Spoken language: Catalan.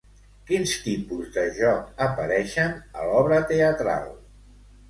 Quins tipus de joc apareixen a l'obra teatral?